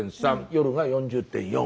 夜が４０．４。